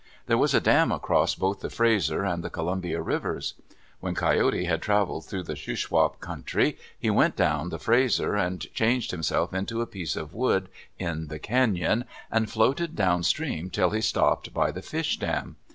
There was a dam across both the Fraser and the Columbia rivers. When Coyote had traveled through the Shuswap country, he went down the Fraser and changed himself into a piece of wood in the cañon and floated downstream until stopped by the fish dam.